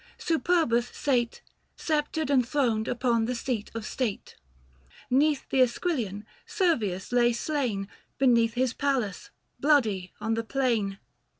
Superbus sate Sceptred and throned upon the seat of state. 'Neath the Esquilian Servius lay slain Beneath his palace, bloody on the plain.